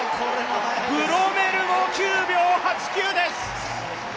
ブロメルも９秒８９です！